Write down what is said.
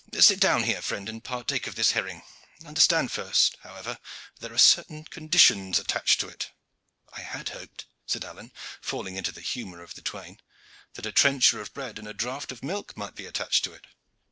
Sit down here, friend, and partake of this herring. Understand first, however, that there are certain conditions attached to it." "I had hoped," said Alleyne, falling into the humor of the twain, "that a tranchoir of bread and a draught of milk might be attached to it."